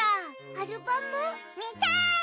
アルバム？みたい！